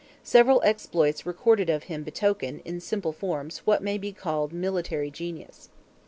Several exploits recorded of him betoken, in simple forms, what may be called a military genius.